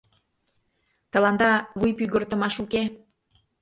Тыланда вуй пӱгыртымаш уке.